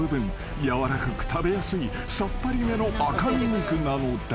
［軟らかく食べやすいさっぱりめの赤身肉なのだ］